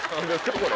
これ。